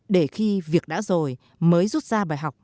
để khi việc đã rồi mới rút ra bài học